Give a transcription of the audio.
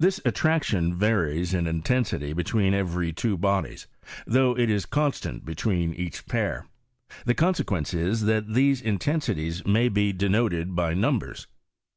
This attraction varies in intensity between every two bodies, though it is constant between each pair. The consequence is, that these intensities may be denoted by numb^s.